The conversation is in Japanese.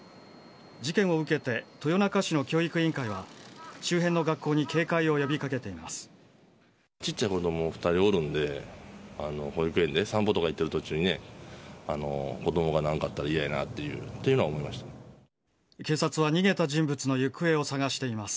事件を受けて、豊中市の教育委員会は、周辺の学校に警戒を呼びかけています。